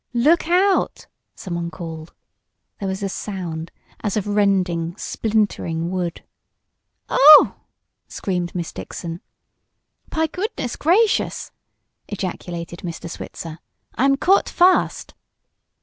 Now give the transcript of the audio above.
"Look out!" someone called. There was a sound as of rending, splintering wood. "Oh!" screamed Miss Dixon. "Py gracious goodness!" ejaculated Mr. Switzer. "I am caught fast!"